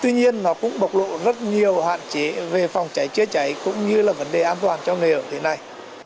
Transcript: tuy nhiên nó cũng bộc lộ rất nhiều hạn chế về phòng cháy chữa cháy cũng như là vấn đề an toàn cho người ở thế này